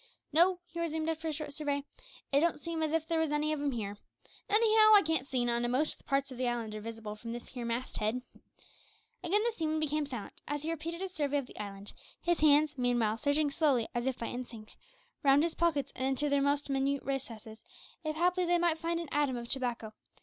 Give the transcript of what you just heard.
"No," he resumed, after a short survey, "it don't seem as if there was any of 'em here. Anyhow I can't see none, and most parts of the island are visible from this here mast head." Again the seaman became silent as he repeated his survey of the island; his hands, meanwhile, searching slowly, as if by instinct, round his pockets, and into their most minute recesses, if haply they might find an atom of tobacco.